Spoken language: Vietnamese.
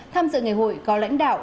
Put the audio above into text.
tham dự ngày hội có lãnh đạo